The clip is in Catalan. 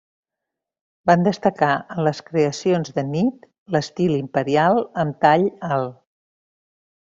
Van destacar en les creacions de nit l'estil imperial amb tall alt.